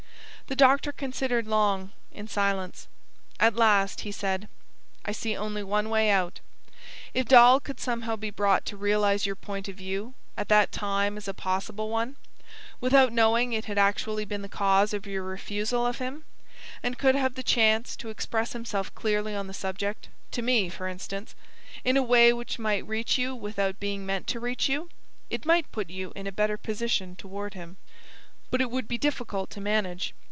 The doctor considered long, in silence. At last he said: "I see only one way out. If Dal could somehow be brought to realise your point of view at that time as a possible one, without knowing it had actually been the cause of your refusal of him, and could have the chance to express himself clearly on the subject to me, for instance in a way which might reach you without being meant to reach you, it might put you in a better position toward him. But it would be difficult to manage.